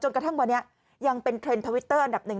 กระทั่งวันนี้ยังเป็นเทรนด์ทวิตเตอร์อันดับหนึ่ง